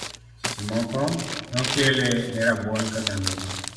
Seche moko nokele ne rabuon kata nduma.